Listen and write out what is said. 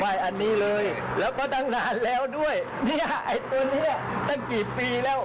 อันนี้เลยแล้วก็ตั้งนานแล้วด้วยเนี่ยไอ้ตัวเนี้ยตั้งกี่ปีแล้ว